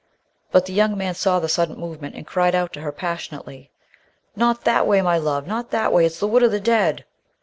But the young man saw the sudden movement and cried out to her passionately "Not that way, my love! Not that way! It's the Wood of the Dead!"